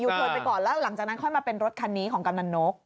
เพลินไปก่อนแล้วหลังจากนั้นค่อยมาเป็นรถคันนี้ของกำนันนก